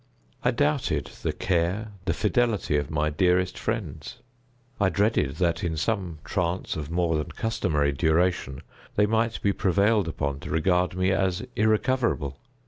I doubted the care, the fidelity of my dearest friends. I dreaded that, in some trance of more than customary duration, they might be prevailed upon to regard me as irrecoverable.